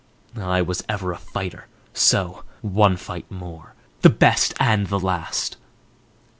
I was ever a fighter, so—one fight more, The best and the last!